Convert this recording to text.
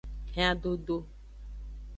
Hen adodo.